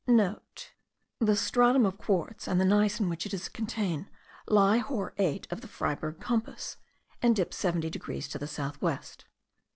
(* This stratum of quartz, and the gneiss in which it is contained, lie hor 8 of the Freyberg compass, and dip 70 degrees to the south west.